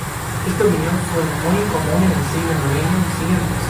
Esta opinion fue muy común en el siglo noveno y siguientes.